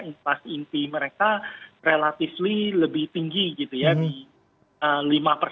inflasi inti mereka relatif lebih tinggi gitu ya